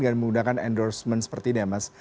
dengan menggunakan endorsement seperti ini ya mas